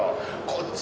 こっち